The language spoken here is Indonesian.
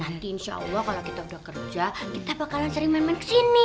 nanti insya allah kalau kita udah kerja kita bakalan cari man man kesini